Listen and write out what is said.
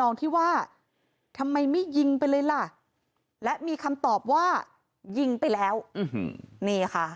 นองที่ว่าทำไมไม่ยิงไปเลยล่ะและมีคำตอบว่ายิงไปแล้วนี่ค่ะ